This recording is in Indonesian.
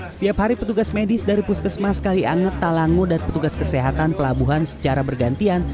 setiap hari petugas medis dari puskesmas kalianget talango dan petugas kesehatan pelabuhan secara bergantian